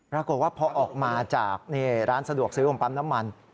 ปรากฏว่าพอออกมาจากร้านสะดวกซื้อของปั๊มน้ำมัน